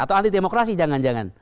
atau anti demokrasi jangan jangan